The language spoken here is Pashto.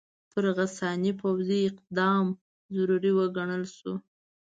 پر غساني پوځي اقدام ضروري وګڼل شو.